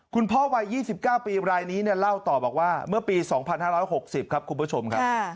วัย๒๙ปีรายนี้เล่าต่อบอกว่าเมื่อปี๒๕๖๐ครับคุณผู้ชมครับ